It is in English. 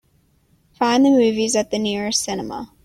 Find the movies at the nearest cinema.